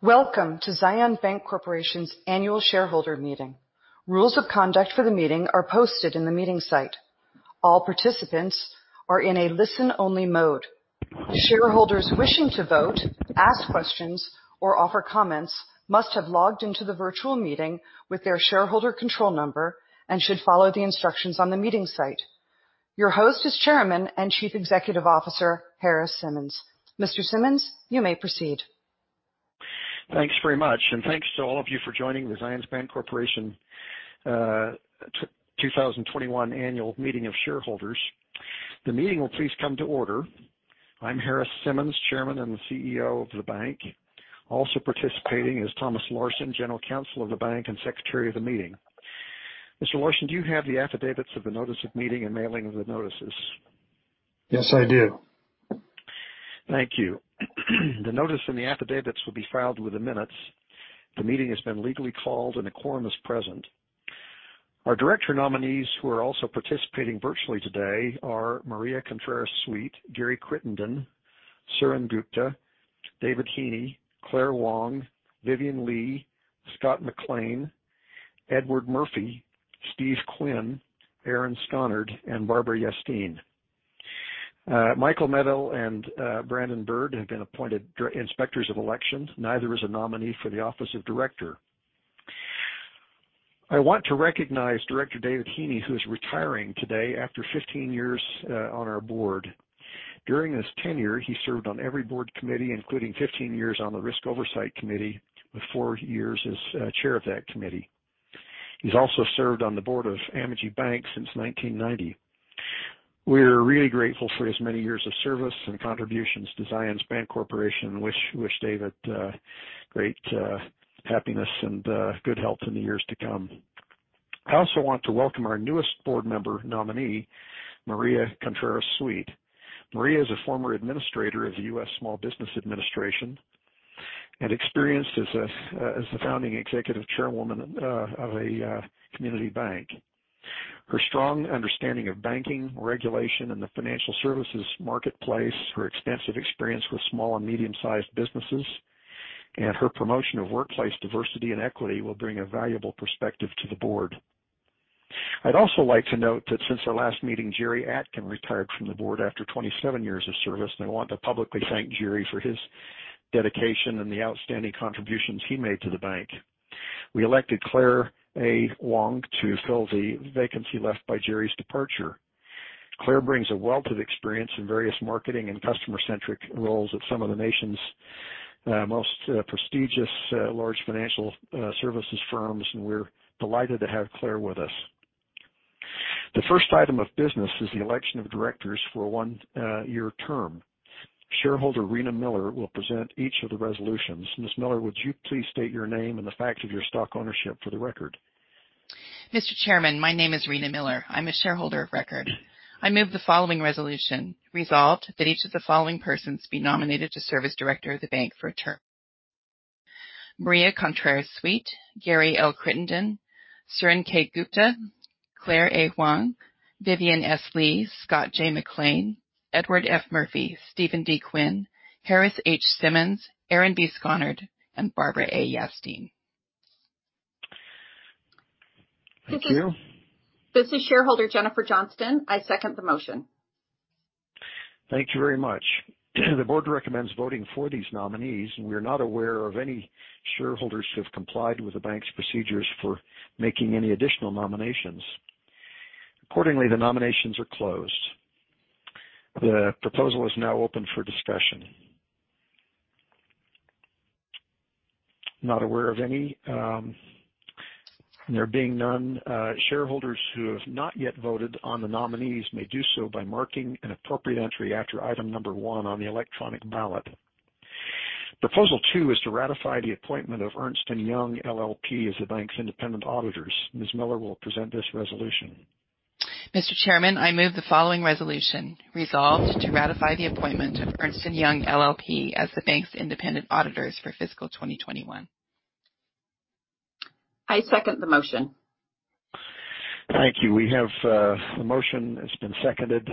Welcome to Zions Bancorporation's annual shareholder meeting. Rules of conduct for the meeting are posted in the meeting site. All participants are in a listen-only mode. Shareholders wishing to vote, ask questions, or offer comments must have logged into the virtual meeting with their shareholder control number and should follow the instructions on the meeting site. Your host is Chairman and Chief Executive Officer, Harris H. Simmons. Mr. Simmons, you may proceed. Thanks very much. Thanks to all of you for joining the Zions Bancorporation 2021 Annual Meeting of Shareholders. The meeting will please come to order. I'm Harris Simmons, Chairman and the CEO of the bank. Also participating is Thomas E. Laursen, General Counsel of the bank and Secretary of the meeting. Mr. Laursen, do you have the affidavits of the notice of meeting and mailing of the notices? Yes, I do. Thank you. The notice and the affidavits will be filed with the minutes. The meeting has been legally called and a quorum is present. Our director nominees who are also participating virtually today are Maria Contreras-Sweet, Gary Crittenden, Suren Gupta, David Heaney, Claire Huang, Vivian Lee, Scott McLean, Edward Murphy, Steve Quinn, Aaron Skonnard, and Barbara Yastine. Michael Meddle and Brandon Byrd have been appointed inspectors of elections. Neither is a nominee for the office of director. I want to recognize Director David Heaney, who is retiring today after 15 years on our board. During his tenure, he served on every board committee, including 15 years on the Risk Oversight Committee, with four years as chair of that committee. He's also served on the board of Amegy Bank since 1990. We're really grateful for his many years of service and contributions to Zions Bancorporation and wish David great happiness and good health in the years to come. I also want to welcome our newest board member nominee, Maria Contreras-Sweet. Maria is a former administrator of the U.S. Small Business Administration and experienced as the founding executive chairwoman of a community bank. Her strong understanding of banking regulation and the financial services marketplace, her extensive experience with small and medium-sized businesses, and her promotion of workplace diversity and equity will bring a valuable perspective to the board. I'd also like to note that since our last meeting, Jerry Atkin retired from the board after 27 years of service, and I want to publicly thank Jerry for his dedication and the outstanding contributions he made to the bank. We elected Claire A. Huang to fill the vacancy left by Jerry's departure. Claire brings a wealth of experience in various marketing and customer-centric roles at some of the nation's most prestigious large financial services firms, and we're delighted to have Claire with us. The first item of business is the election of directors for a one-year term. Shareholder Rena Miller will present each of the resolutions. Ms. Miller, would you please state your name and the facts of your stock ownership for the record? Mr. Chairman, my name is Rena Miller. I'm a shareholder of record. I move the following resolution: Resolved, that each of the following persons be nominated to serve as Director of the bank for a term. Maria Contreras-Sweet, Gary L. Crittenden, Suren K. Gupta, Claire A. Huang, Vivian S. Lee, Scott J. McLean, Edward F. Murphy, Steven D. Quinn, Harris H. Simmons, Aaron B. Skonnard, and Barbara A. Yastine. Thank you. This is Shareholder Jennifer Johnston. I second the motion. Thank you very much. The board recommends voting for these nominees, and we are not aware of any shareholders who have complied with the bank's procedures for making any additional nominations. Accordingly, the nominations are closed. The proposal is now open for discussion. Not aware of any. There being none, shareholders who have not yet voted on the nominees may do so by marking an appropriate entry after item number one on the electronic ballot. Proposal two is to ratify the appointment of Ernst & Young LLP as the bank's independent auditors. Ms. Miller will present this resolution. Mr. Chairman, I move the following resolution: Resolved, to ratify the appointment of Ernst & Young LLP as the bank's independent auditors for fiscal 2021. I second the motion. Thank you. The motion has been seconded.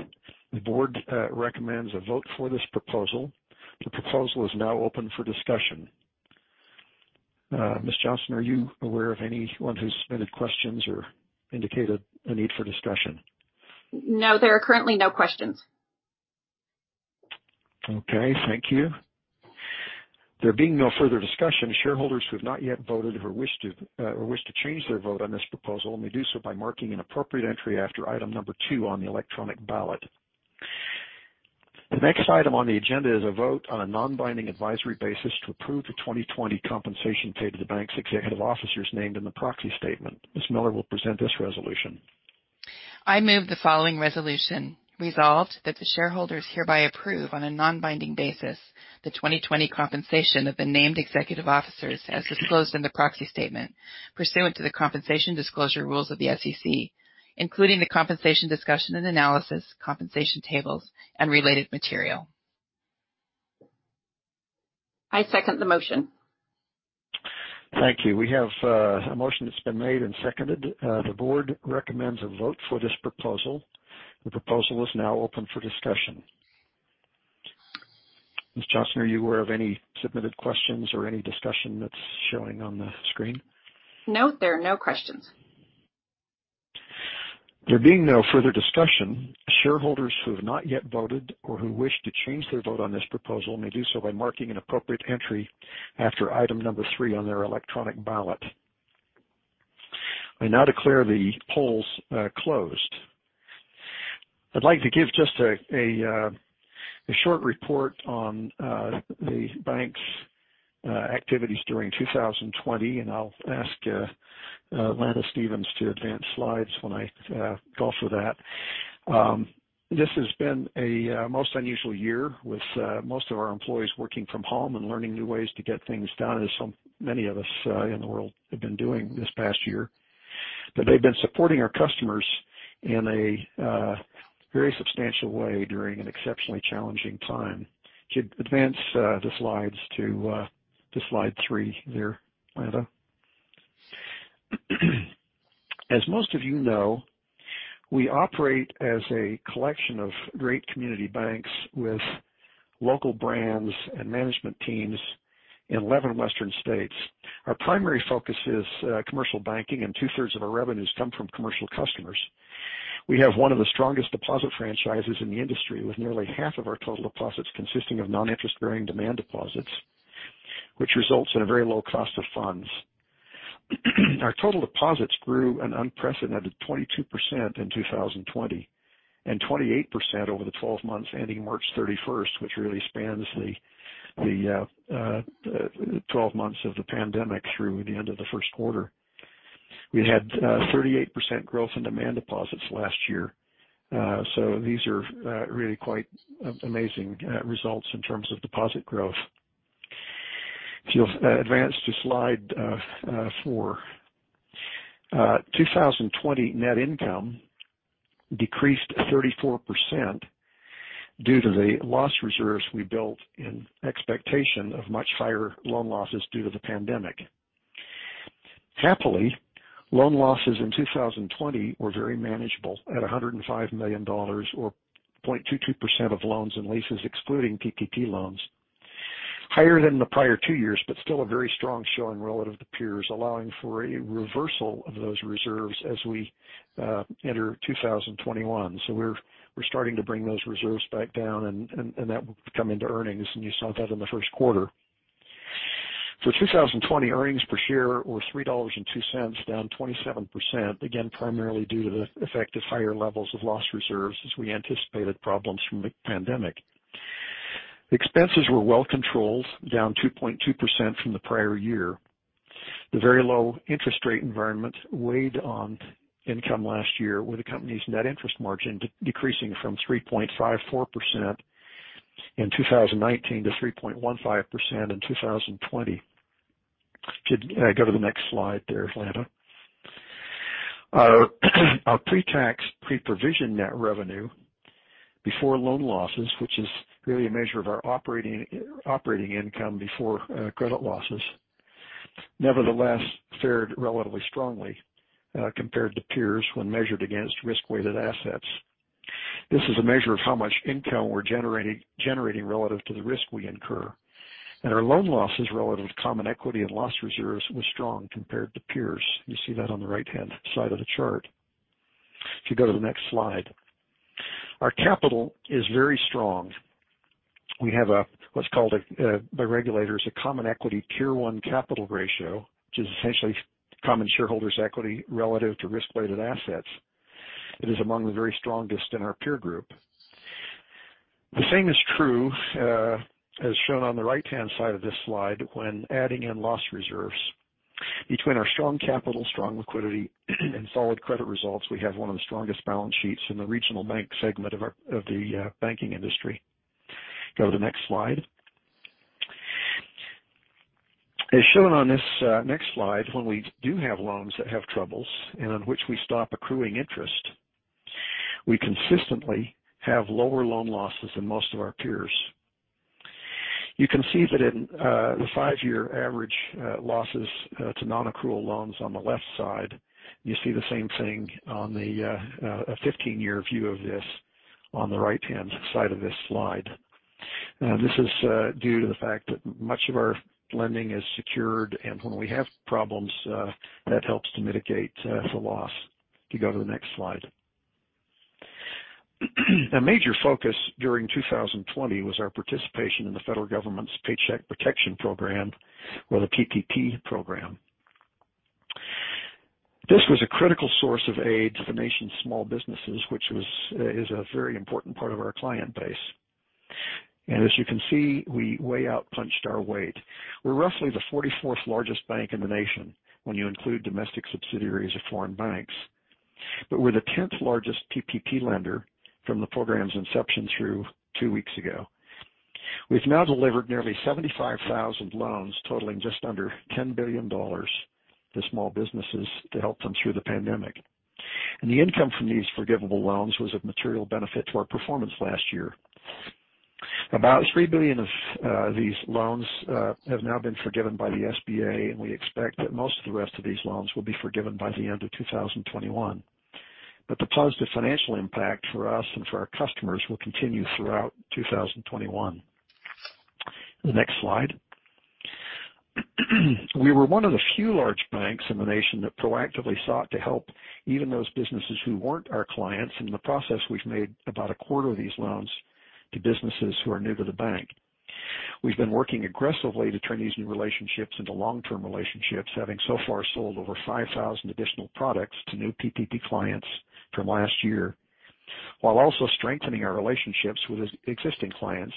The board recommends a vote for this proposal. The proposal is now open for discussion. Ms. Johnston, are you aware of anyone who submitted questions or indicated a need for discussion? No, there are currently no questions. Okay, thank you. There being no further discussion, shareholders who have not yet voted or wish to change their vote on this proposal may do so by marking an appropriate entry after item number two on the electronic ballot. The next item on the agenda is a vote on a non-binding advisory basis to approve the 2020 compensation paid to the bank's executive officers named in the proxy statement. Ms. Miller will present this resolution. I move the following resolution: Resolved, that the shareholders hereby approve, on a non-binding basis, the 2020 compensation of the named executive officers as disclosed in the proxy statement pursuant to the compensation disclosure rules of the SEC, including the compensation discussion and analysis, compensation tables, and related material. I second the motion. Thank you. We have a motion that has been made and seconded. The board recommends a vote for this proposal. The proposal is now open for discussion. Ms. Johnston, are you aware of any submitted questions or any discussion that is showing on the screen? No, there are no questions. There being no further discussion, shareholders who have not yet voted or who wish to change their vote on this proposal may do so by marking an appropriate entry after item number three on their electronic ballot. I now declare the polls closed. I'd like to give just a short report on the bank's activities during 2020. I'll ask Lana Stevens to advance slides when I call for that. This has been a most unusual year with most of our employees working from home and learning new ways to get things done, as so many of us in the world have been doing this past year. They've been supporting our customers in a very substantial way during an exceptionally challenging time. Could you advance the slides to slide three there, Lana? As most of you know, we operate as a collection of great community banks with local brands and management teams in 11 western states. Our primary focus is commercial banking, and two-thirds of our revenues come from commercial customers. We have one of the strongest deposit franchises in the industry, with nearly half of our total deposits consisting of non-interest-bearing demand deposits, which results in a very low cost of funds. Our total deposits grew an unprecedented 22% in 2020, and 28% over the 12 months ending March 31st, which really spans the 12 months of the pandemic through the end of the first quarter. We had 38% growth in demand deposits last year. These are really quite amazing results in terms of deposit growth. If you'll advance to slide four. 2020 net income decreased 42% due to the loss reserves we built in expectation of much higher loan losses due to the pandemic. Happily, loan losses in 2020 were very manageable at $105 million, or 0.22% of loans and leases excluding PPP loans. Higher than the prior two years, still a very strong showing relative to peers, allowing for a reversal of those reserves as we enter 2021. We're starting to bring those reserves back down, and that will come into earnings, and you saw that in the first quarter. For 2020, earnings per share were $3.02, down 27%, again, primarily due to the effect of higher levels of loss reserves as we anticipated problems from the pandemic. Expenses were well controlled, down 2.2% from the prior year. The very low interest rate environment weighed on income last year, with the company's net interest margin decreasing from 3.54% in 2019 to 3.15% in 2020. Could you go to the next slide there, Lana? Our pre-tax, pre-provision net revenue before loan losses, which is really a measure of our operating income before credit losses, nevertheless fared relatively strongly compared to peers when measured against risk-weighted assets. This is a measure of how much income we're generating relative to the risk we incur. Our loan losses relative to common equity and loss reserves was strong compared to peers. You see that on the right-hand side of the chart. If you go to the next slide. Our capital is very strong. We have what's called by regulators a Common Equity Tier one capital ratio, which is essentially common shareholders' equity relative to risk-weighted assets. It is among the very strongest in our peer group. The same is true, as shown on the right-hand side of this slide, when adding in loss reserves. Between our strong capital, strong liquidity, and solid credit results, we have one of the strongest balance sheets in the regional bank segment of the banking industry. Go to the next slide. As shown on this next slide, when we do have loans that have troubles and on which we stop accruing interest, we consistently have lower loan losses than most of our peers. You can see that in the five-year average losses to non-accrual loans on the left side. You see the same thing on the 15 year view of this on the right-hand side of this slide. This is due to the fact that much of our lending is secured, and when we have problems, that helps to mitigate the loss. Could you go to the next slide? A major focus during 2020 was our participation in the federal government's Paycheck Protection Program or the PPP program. This was a critical source of aid to the nation's small businesses, which is a very important part of our client base. As you can see, we way outpunched our weight. We're roughly the 44th largest bank in the nation when you include domestic subsidiaries of foreign banks. We're the 10th largest PPP lender from the program's inception through two weeks ago. We've now delivered nearly 75,000 loans totaling just under $10 billion to small businesses to help them through the pandemic. The income from these forgivable loans was of material benefit to our performance last year. About $3 billion of these loans have now been forgiven by the SBA, and we expect that most of the rest of these loans will be forgiven by the end of 2021. The positive financial impact for us and for our customers will continue throughout 2021. The next slide. We were one of the few large banks in the nation that proactively sought to help even those businesses who weren't our clients. In the process, we've made about a quarter of these loans to businesses who are new to the bank. We've been working aggressively to turn these new relationships into long-term relationships, having so far sold over 5,000 additional products to new PPP clients from last year, while also strengthening our relationships with existing clients,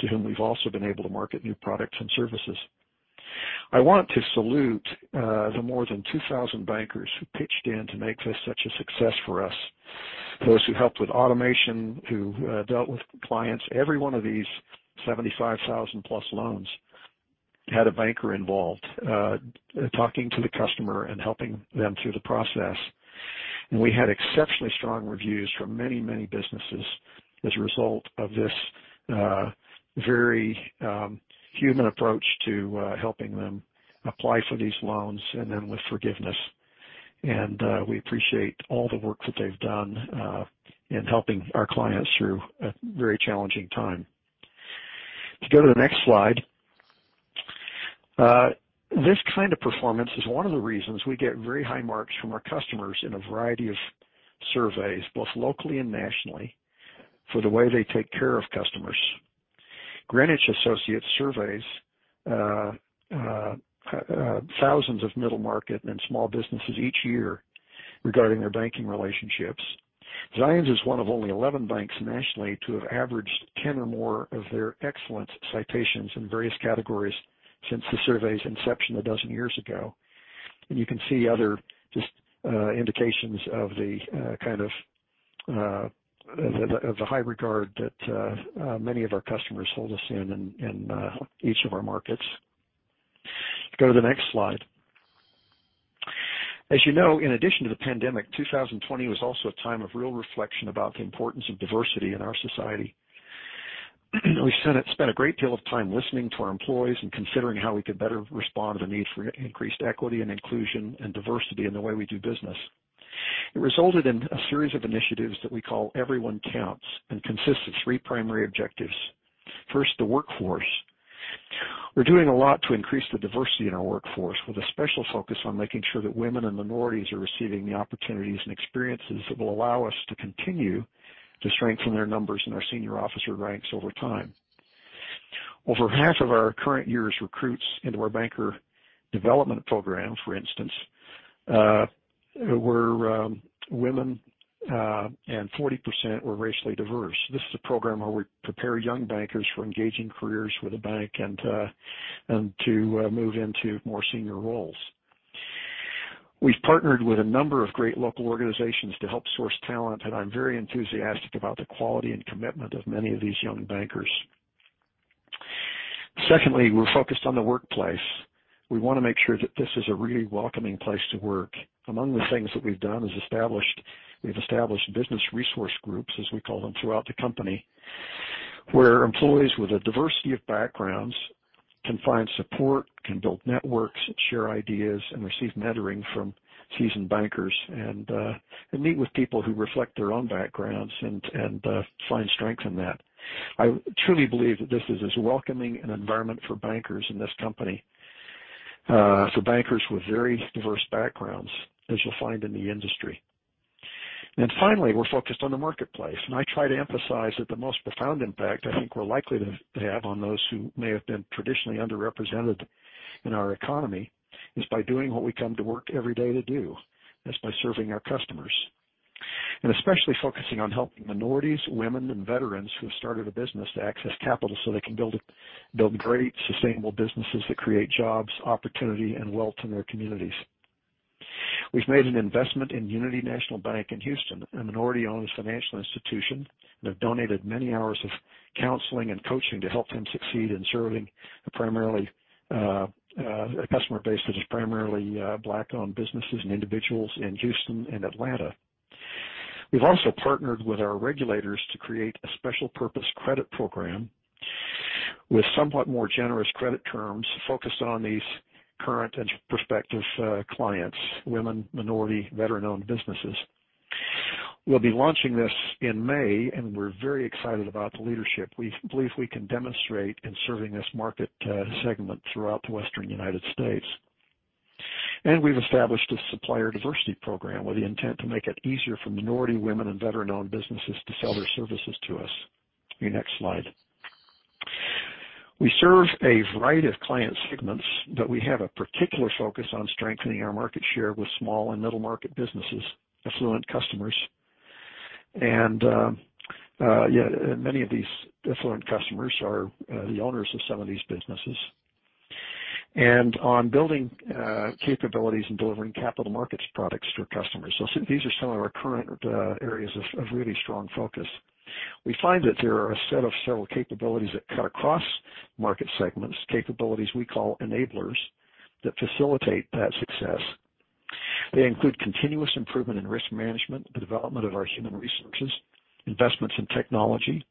to whom we've also been able to market new products and services. I want to salute the more than 2,000 bankers who pitched in to make this such a success for us, those who helped with automation, who dealt with clients. Every one of these 75,000+ loans had a banker involved, talking to the customer and helping them through the process. We had exceptionally strong reviews from many, many businesses as a result of this very human approach to helping them apply for these loans and then with forgiveness. We appreciate all the work that they've done in helping our clients through a very challenging time. To go to the next slide. This kind of performance is one of the reasons we get very high marks from our customers in a variety of surveys, both locally and nationally, for the way they take care of customers. Greenwich Associates surveys thousands of middle market and small businesses each year regarding their banking relationships. Zions is one of only 11 banks nationally to have averaged 10 or more of their excellence citations in various categories since the survey's inception 12 years ago. You can see other just indications of the kind of the high regard that many of our customers hold us in each of our markets. Go to the next slide. As you know, in addition to the pandemic, 2020 was also a time of real reflection about the importance of diversity in our society. We spent a great deal of time listening to our employees and considering how we could better respond to the need for increased equity and inclusion and diversity in the way we do business. It resulted in a series of initiatives that we call Everyone Counts and consists of three primary objectives. First, the workforce. We're doing a lot to increase the diversity in our workforce, with a special focus on making sure that women and minorities are receiving the opportunities and experiences that will allow us to continue to strengthen their numbers in our senior officer ranks over time. Over half of our current year's recruits into our banker development program, for instance, were women, and 40% were racially diverse. This is a program where we prepare young bankers for engaging careers with a bank and to move into more senior roles. We've partnered with a number of great local organizations to help source talent, and I'm very enthusiastic about the quality and commitment of many of these young bankers. Secondly, we're focused on the workplace. We want to make sure that this is a really welcoming place to work. Among the things that we've done is we've established business resource groups, as we call them, throughout the company, where employees with a diversity of backgrounds can find support, can build networks, share ideas, and receive mentoring from seasoned bankers, and meet with people who reflect their own backgrounds and find strength in that. I truly believe that this is as welcoming an environment for bankers in this company, for bankers with very diverse backgrounds as you'll find in the industry. Finally, we're focused on the marketplace, and I try to emphasize that the most profound impact I think we're likely to have on those who may have been traditionally underrepresented in our economy is by doing what we come to work every day to do. That's by serving our customers, and especially focusing on helping minorities, women, and veterans who have started a business to access capital so they can build great, sustainable businesses that create jobs, opportunity, and wealth in their communities. We've made an investment in Unity National Bank in Houston, a minority-owned financial institution, and have donated many hours of counseling and coaching to help them succeed in serving a customer base that is primarily Black-owned businesses and individuals in Houston and Atlanta. We've also partnered with our regulators to create a special purpose credit program with somewhat more generous credit terms focused on these current and prospective clients, women, minority, veteran-owned businesses. We'll be launching this in May, and we're very excited about the leadership we believe we can demonstrate in serving this market segment throughout the Western United States. We've established a supplier diversity program with the intent to make it easier for minority, women, and veteran-owned businesses to sell their services to us. The next slide. We serve a variety of client segments, but we have a particular focus on strengthening our market share with small and middle-market businesses, affluent customers, and many of these affluent customers are the owners of some of these businesses, and on building capabilities and delivering capital markets products to our customers. These are some of our current areas of really strong focus. We find that there are a set of several capabilities that cut across market segments, capabilities we call enablers, that facilitate that success. They include continuous improvement in risk management, the development of our human resources, investments in technology,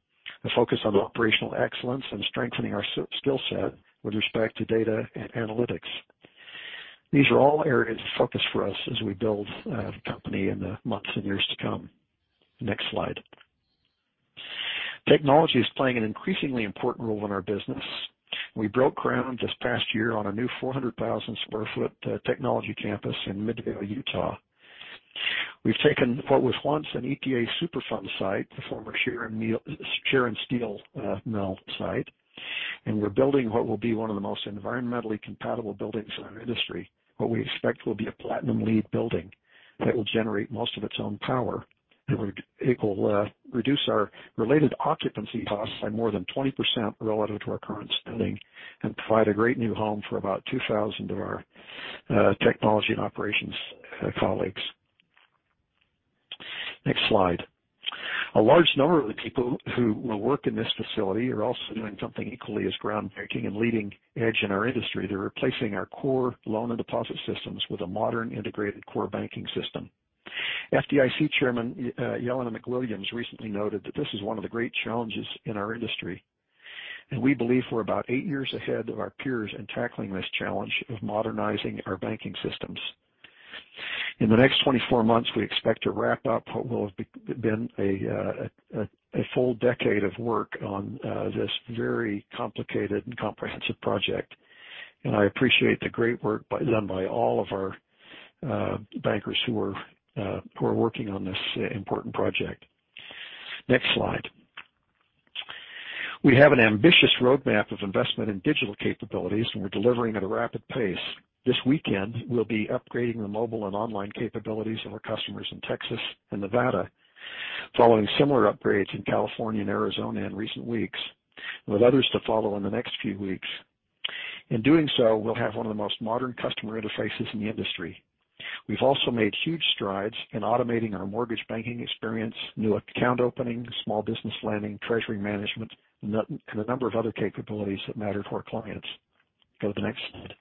a focus on operational excellence, and strengthening our skill set with respect to data and analytics. These are all areas of focus for us as we build the company in the months and years to come. Next slide. Technology is playing an increasingly important role in our business. We broke ground this past year on a new 400,000 sq ft technology campus in Midvale, Utah. We've taken what was once an EPA Superfund site, the former Sharon Steel mill site, and we're building what will be one of the most environmentally compatible buildings in our industry. What we expect will be a platinum LEED building that will generate most of its own power. It will reduce our related occupancy costs by more than 20% relative to our current spending and provide a great new home for about 2,000 of our technology and operations colleagues. Next slide. A large number of the people who will work in this facility are also doing something equally as groundbreaking and leading edge in our industry. They're replacing our core loan and deposit systems with a modern integrated core banking system. FDIC Chairman Jelena McWilliams recently noted that this is one of the great challenges in our industry. We believe we're about eight years ahead of our peers in tackling this challenge of modernizing our banking systems. In the next 24 months, we expect to wrap up what will have been a full decade of work on this very complicated and comprehensive project, and I appreciate the great work done by all of our bankers who are working on this important project. Next slide. We have an ambitious roadmap of investment in digital capabilities, and we're delivering at a rapid pace. This weekend, we'll be upgrading the mobile and online capabilities of our customers in Texas and Nevada, following similar upgrades in California and Arizona in recent weeks, with others to follow in the next few weeks. In doing so, we'll have one of the most modern customer interfaces in the industry. We've also made huge strides in automating our mortgage banking experience, new account opening, small business lending, treasury management, and a number of other capabilities that matter to our clients. Go to the next slide.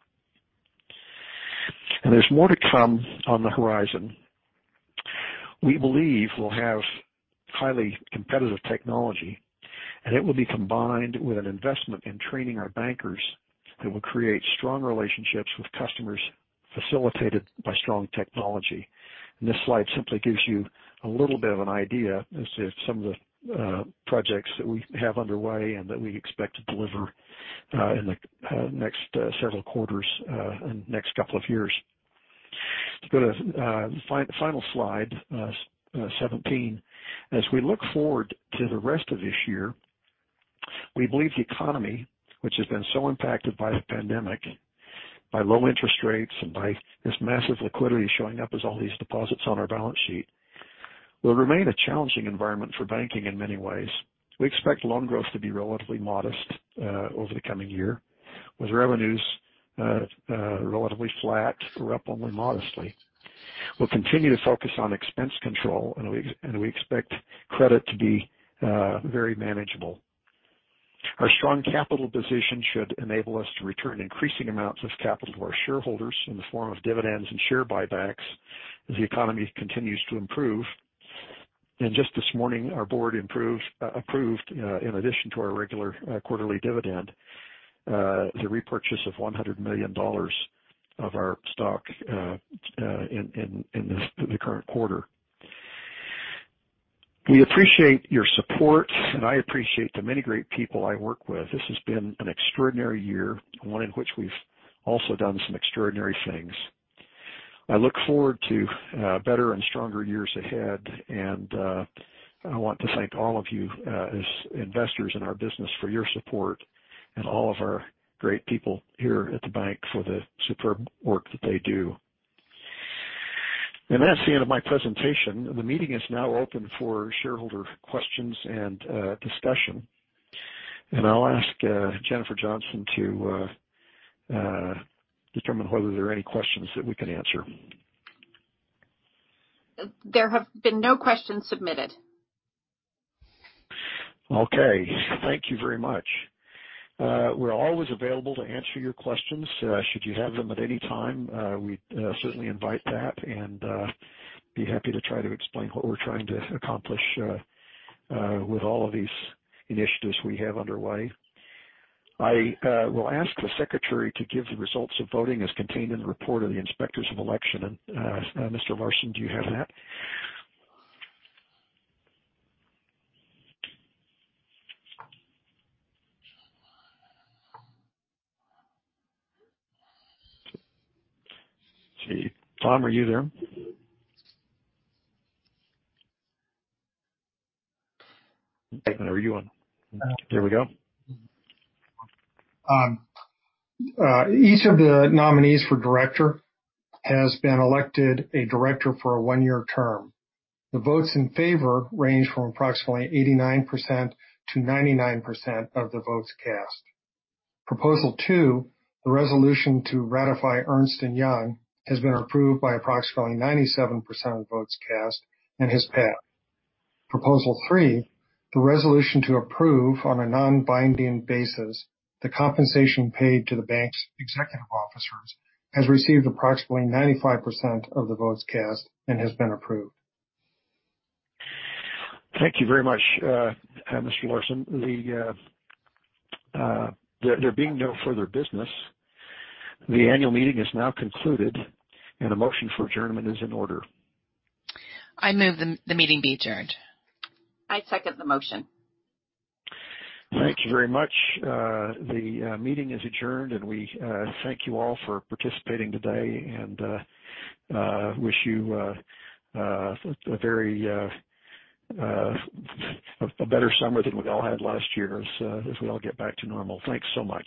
There's more to come on the horizon. We believe we'll have highly competitive technology, and it will be combined with an investment in training our bankers that will create strong relationships with customers, facilitated by strong technology. This slide simply gives you a little bit of an idea as to some of the projects that we have underway and that we expect to deliver in the next several quarters and next couple of years. Go to final slide, 17. As we look forward to the rest of this year, we believe the economy, which has been so impacted by the pandemic, by low interest rates, and by this massive liquidity showing up as all these deposits on our balance sheet, will remain a challenging environment for banking in many ways. We expect loan growth to be relatively modest over the coming year, with revenues relatively flat or up only modestly. We'll continue to focus on expense control, and we expect credit to be very manageable. Our strong capital position should enable us to return increasing amounts of capital to our shareholders in the form of dividends and share buybacks as the economy continues to improve. Just this morning, our Board approved, in addition to our regular quarterly dividend, the repurchase of $100 million of our stock in the current quarter. We appreciate your support, I appreciate the many great people I work with. This has been an extraordinary year, one in which we've also done some extraordinary things. I look forward to better and stronger years ahead, and I want to thank all of you as investors in our business for your support and all of our great people here at the bank for the superb work that they do. That's the end of my presentation. The meeting is now open for shareholder questions and discussion. I'll ask Jennifer Johnston to determine whether there are any questions that we can answer. There have been no questions submitted. Okay. Thank you very much. We're always available to answer your questions should you have them at any time. We certainly invite that and be happy to try to explain what we're trying to accomplish with all of these initiatives we have underway. I will ask the secretary to give the results of voting as contained in the report of the inspectors of election. Mr. Laursen, do you have that? Tom, are you there? Are you on? There we go. Each of the nominees for director has been elected a director for a one-year term. The votes in favor range from approximately 89% to 99% of the votes cast. Proposal two, the resolution to ratify Ernst & Young, has been approved by approximately 97% of votes cast and has passed. Proposal three, the resolution to approve on a non-binding basis the compensation paid to the bank's executive officers, has received approximately 95% of the votes cast and has been approved. Thank you very much, Mr. Laursen. There being no further business, the annual meeting is now concluded and a motion for adjournment is in order. I move the meeting be adjourned. I second the motion. Thank you very much. The meeting is adjourned. We thank you all for participating today and wish you a better summer than we all had last year as we all get back to normal. Thanks so much.